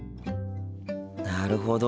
なるほど。